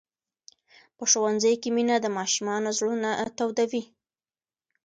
په ښوونځي کې مینه د ماشومانو زړونه تودوي.